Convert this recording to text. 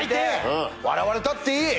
笑われたっていい！